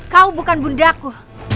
kau bukan bundaku